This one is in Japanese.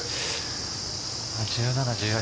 １７、１８